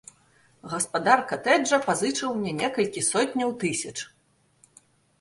Гаспадар катэджа пазычыў мне некалькі сотняў тысяч!